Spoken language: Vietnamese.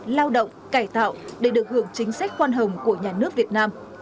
lao động cải tạo để được hưởng chính sách khoan hồng của nhà nước việt nam